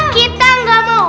kita gak mau